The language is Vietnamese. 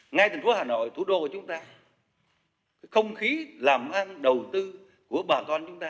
ngay thành phố hà nội thủ đô của chúng ta cái không khí làm ăn đầu tư của bà con chúng ta